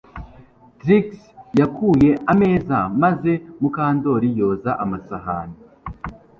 Trix yakuye ameza maze Mukandoli yoza amasahani